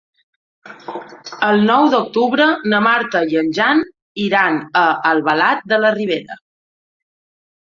El nou d'octubre na Marta i en Jan iran a Albalat de la Ribera.